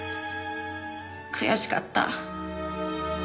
悔しかった。